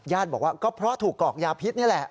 บอกว่าก็เพราะถูกกรอกยาพิษนี่แหละ